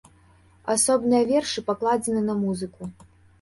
Асобныя вершы пакладзены на музыку.